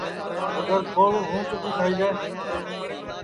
گر گھوݪ ہوں چکُو ٹھانٚو ٹھائی دؔے